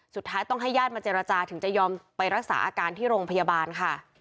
สุดท้ายต้องให้ญาติมาเจรจาถึงจะยอมไปรักษาอาการที่โรงพยาบาลค่ะ